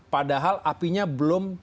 padahal apinya belum